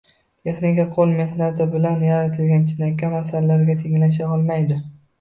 Texnika qo‘l mehnati bilan yaratilgan chinakam asarlarga tenglasha olmaydi